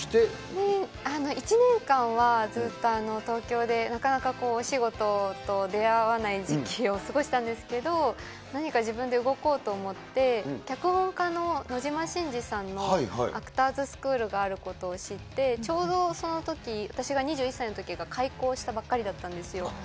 で、１年間はずっと東京で、なかなかお仕事と出会わない時期を過ごしたんですけど、何か自分で動こうと思って、脚本家の野島伸司さんのアクターズスクールがあることを知って、ちょうどそのとき、私が２１歳のときが開校したばっかりだったんですよ。